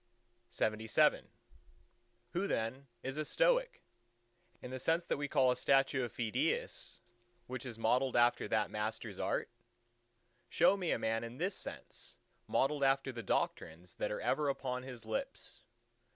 LXXVIII Who then is a Stoic—in the sense that we call a statue of Phidias which is modelled after that master's art? Show me a man in this sense modelled after the doctrines that are ever upon his lips.